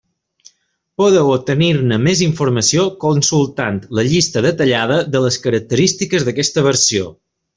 Podeu obtenir-ne més informació consultant la llista detallada de les característiques d'aquesta versió.